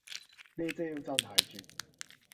呢招真係絕